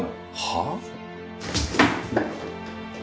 はあ？